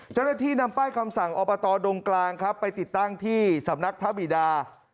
เจ้าหน้าที่นำป้ายคำสั่งอบตดงกลางครับไปติดตั้งที่สำนักพระบิดา